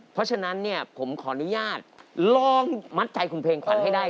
เพราะฉะนั้นเนี่ยผมขออนุญาตลองมัดใจคุณเพลงขวัญให้ได้